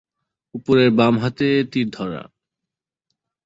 উপরের বাম হাতে তীর ধরা।